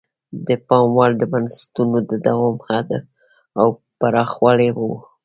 د پام وړ د بنسټونو د دوام حد او پراخوالی وو.